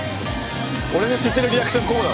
俺の知ってるリアクションこうだわ。